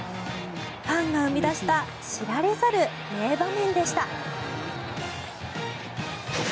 ファンが生み出した知られざる名場面でした。